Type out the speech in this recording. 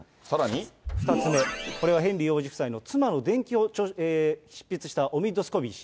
２つ目、これはヘンリー王子夫妻の妻の伝記を執筆したオミッド・スコビー氏。